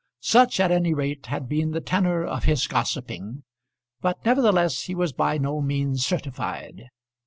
Such at any rate had been the tenour of his gossiping; but nevertheless he was by no means certified.